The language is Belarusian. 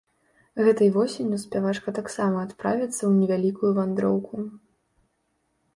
Гэтай восенню спявачка таксама адправіцца ў невялікую вандроўку.